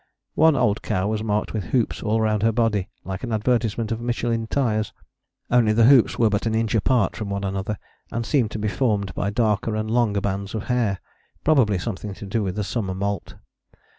One old cow was marked with hoops all round her body, like an advertisement of Michelin tyres: only the hoops were but an inch apart from one another, and seemed to be formed by darker and longer bands of hair: probably something to do with the summer moult.